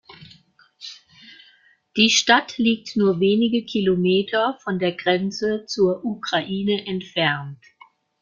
Die Stadt liegt nur wenige Kilometer von der Grenze zur Ukraine entfernt.